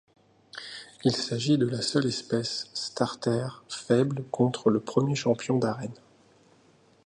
Il s'agit de la seule espèce starter faible contre le premier champion d'arène.